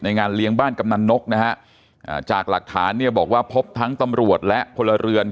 ในงานเลี้ยงบ้านกำหนันนกนะฮะจากหลักฐานพบทั้งตำรวจและภลเรือน